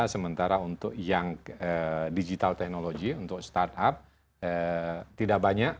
sementara untuk yang digital technology untuk startup tidak banyak